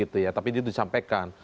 tapi itu disampaikan